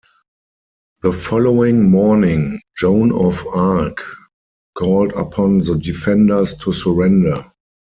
The following morning Joan of Arc called upon the defenders to surrender.